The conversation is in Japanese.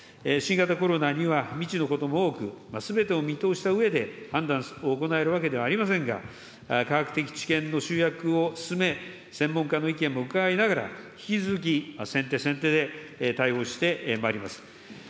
新型コロナには未知のことも多く、すべてを見通したうえで判断を行えるわけではありませんが、科学的知見の集約も進め、専門家の意見も伺いながら、引き続き、先手先手で対応してまいります。